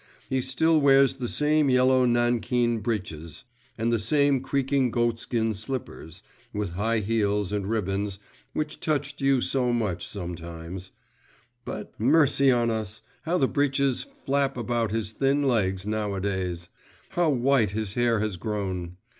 He still wears the same yellow nankeen breeches, and the same creaking goatskin slippers, with high heels and ribbons, which touched you so much sometimes, … but, mercy on us! how the breeches flap about his thin legs nowadays! how white his hair has grown!